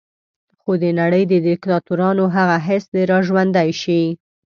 خو د نړۍ د دیکتاتورانو هغه حس دې را ژوندی شي.